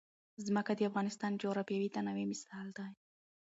ځمکه د افغانستان د جغرافیوي تنوع مثال دی.